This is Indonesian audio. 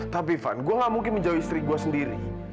tapi van gue gak mungkin menjauhi istri gue sendiri